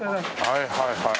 はいはいはい。